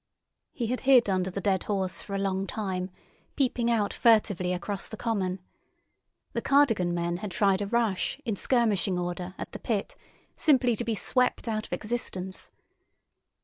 He had hid under the dead horse for a long time, peeping out furtively across the common. The Cardigan men had tried a rush, in skirmishing order, at the pit, simply to be swept out of existence.